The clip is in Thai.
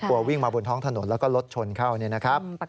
วิ่งมาบนท้องถนนแล้วก็รถชนเข้าเนี่ยนะครับ